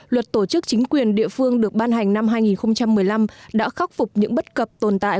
luật tổ chức chính quyền địa phương được ban hành năm hai nghìn một mươi năm đã khắc phục những bất cập tồn tại